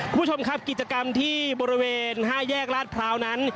คุณผู้ชมครับกิจกรรมที่บริเวณ๕แยกลาดพร้าวนั้น